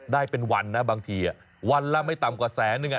ได้เป็นวันนะบางทีวันละไม่ต่ำกว่าแสนนึง